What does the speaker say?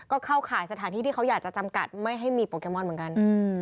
ก็เข้าข่ายสถานที่ที่เขาอยากจะจำกัดไม่ให้มีโปเกมอนเหมือนกัน